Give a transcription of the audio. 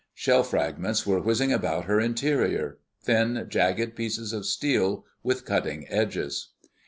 Shell fragments were whizzing about her interior—thin, jagged bits of steel with cutting edges.